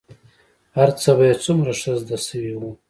هرڅه به يې څومره ښه زده سوي وو.